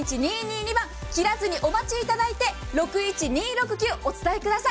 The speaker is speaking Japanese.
切らずにお待ちいただいて、６１２６９お伝えください。